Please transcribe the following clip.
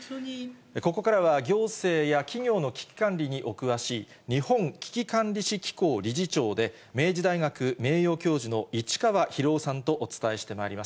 ここからは行政や企業の危機管理にお詳しい、日本危機管理士機構理事長で、明治大学名誉教授の市川宏雄さんとお伝えしてまいります。